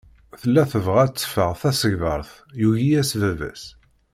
Tella tebɣa ad d-teffeɣ d tasegbart, yugi-yas baba-s.